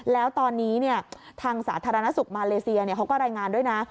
แล้วตอนนี้ทางสาธารณสุขมาเลเซียเขาก็รายงานด้วยนะ